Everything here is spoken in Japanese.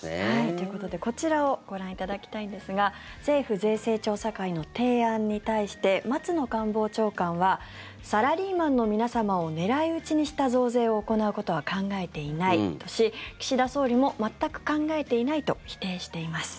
ということで、こちらをご覧いただきたいんですが政府税制調査会の提案に対して松野官房長官はサラリーマンの皆様を狙い撃ちにした増税を行うことは考えていないとし岸田総理も全く考えていないと否定しています。